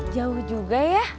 jauh juga ya